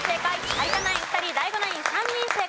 有田ナイン２人ＤＡＩＧＯナイン３人正解です。